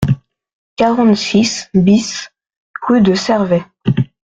quarante-six BIS rue de Cervet